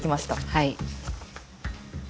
はい。